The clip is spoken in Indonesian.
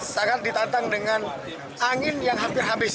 sangat ditantang dengan angin yang hampir habis